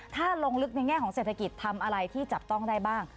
ถ้าลงลึกในแง่ของเศรษฐกิจทำอะไรที่จับต้องได้บ้าง